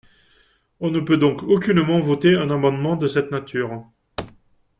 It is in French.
On ne peut donc aucunement voter un amendement de cette nature.